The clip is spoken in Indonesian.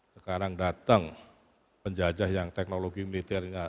sekarang datang penjajah yang teknologi militernya